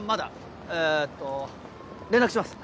えっと連絡します